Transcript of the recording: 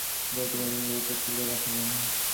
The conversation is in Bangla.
বইটা কুলঙ্গির উপর তুলিয়া রাখিলেন।